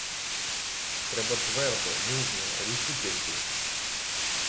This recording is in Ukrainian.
Треба твердо, мужньо, рішуче йти.